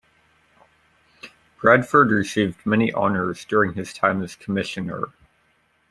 Bradford received many honours during his time as Commissioner.